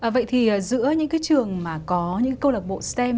vậy thì giữa những cái trường mà có những câu lạc bộ stem